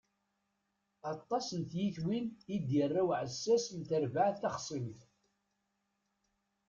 Aṭas n tyitwin i d-irra uɛessas n terbaɛt taxṣimt.